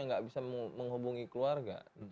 nggak bisa menghubungi keluarga